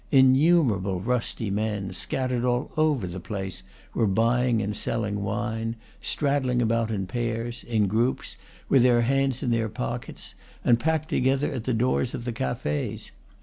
In numerable rusty men, scattered all over the place, were buying and selling wine, straddling about in pairs, in groups, with their hands in their pockets, and packed together at the doors of the cafes.